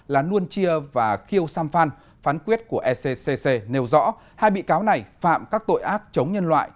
là nuân chia và khiêu sam phan phán quyết của sccc nêu rõ hai bị cáo này phạm các tội ác chống nhân loại